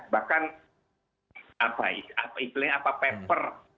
bahkan apa apa iklimnya apa paper